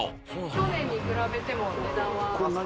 去年に比べても値段はこんなに